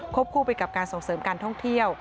คู่ไปกับการส่งเสริมการท่องเที่ยว